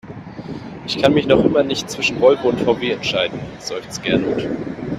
Ich kann mich noch immer nicht zwischen Volvo und VW entscheiden, seufzt Gernot.